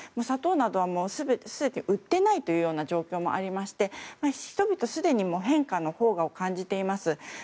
砂糖などはすでに売っていないという状況もありまして、人々はすでに変化の萌芽を感じています。